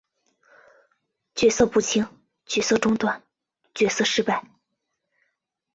角色不清角色中断角色失败